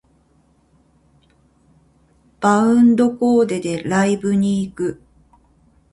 概念コーデでライブに行く